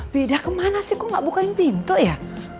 pindah kemana sih kok gak bukain pintu ya